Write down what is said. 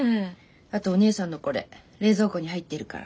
あとお姉さんのこれ冷蔵庫に入ってるから。